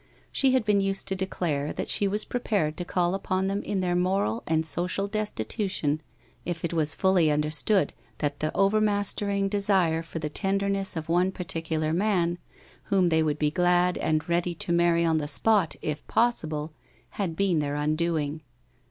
She had been used to declare that she was prepared to call upon them in their moral and social destitution if it was fully understood that the overmastering desire for the tenderness of one particular man whom they would be glad and ready to marry on the spot if possible, had been their undoing.